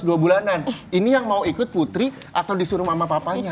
dua bulanan ini yang mau ikut putri atau disuruh mama papanya